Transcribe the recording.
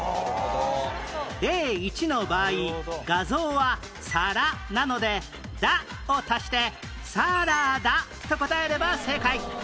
例１の場合画像は「さら」なので「だ」を足して「サラダ」と答えれば正解